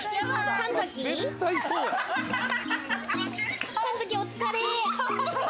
神崎、お疲れ。